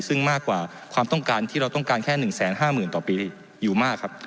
ซึ่งมากกว่าความต้องการที่เราต้องการแค่๑๕๐๐๐ต่อปีอยู่มากครับ